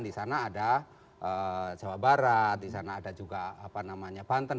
di sana ada jawa barat di sana ada juga apa namanya banten